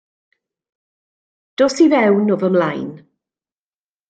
Dos i fewn o fy mlaen.